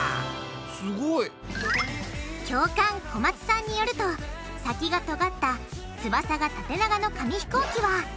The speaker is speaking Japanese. すごい！教官小松さんによると先がとがった翼が縦長の紙ひこうきは